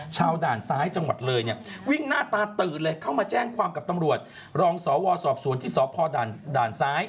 ชาวด่านซ้ายจังหวัดเรย